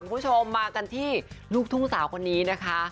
คุณผู้ชมมากันที่ลูกทุ่งสาวคนนี้นะคะ